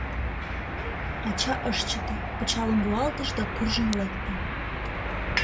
Ача ыш чыте, пычалым руалтыш да куржын лекте.